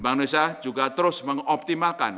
bank indonesia juga terus mengoptimalkan